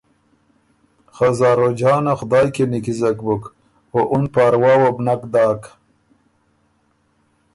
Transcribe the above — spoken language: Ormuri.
خه زاروجانه خدایٛ کی نیکیزک بُک او اُن پاروا وه بو نک داک۔